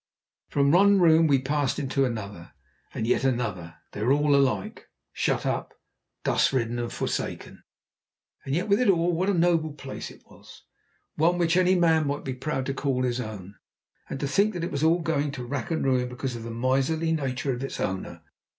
From one room we passed into another, and yet another. They were all alike shut up, dust ridden, and forsaken. And yet with it all what a noble place it was one which any man might be proud to call his own. And to think that it was all going to rack and ruin because of the miserly nature of its owner.